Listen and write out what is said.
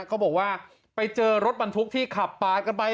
เขาบอกว่าไปเจอรถบรรทุกที่ขับปาดกันไป